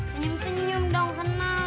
senyum senyum dong seneng